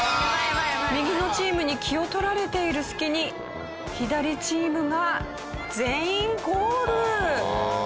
右のチームに気を取られている隙に左チームが全員ゴール！